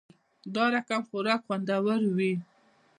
دا رقمخوراک خوندور وی